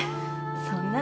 そんな。